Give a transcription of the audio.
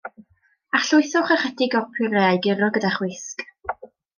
Arllwyswch ychydig o'r purée a'i guro gyda chwisg.